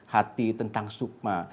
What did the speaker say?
hati tentang sukma